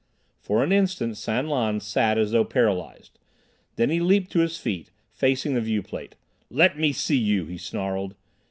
For an instant San Lan sat as though paralyzed. Then he leaped to his feet, facing the viewplate. "Let me see you!" he snarled.